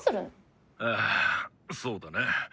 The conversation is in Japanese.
ああそうだな。